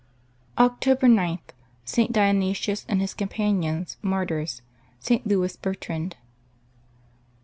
^' October g.— ST. DIONYSIUS and his Companions, Martyrs.— ST. LOUIS BERTRAND.